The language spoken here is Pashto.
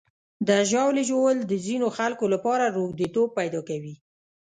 د ژاولې ژوول د ځینو خلکو لپاره روږديتوب پیدا کوي.